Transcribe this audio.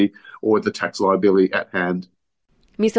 atau kebenaran uang yang diberikan secara terhadap tanggapan